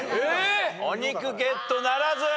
お肉ゲットならず。